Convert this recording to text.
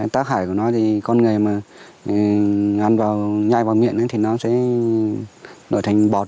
tác hải của nó thì con người mà nhai vào miệng thì nó sẽ nở thành bọt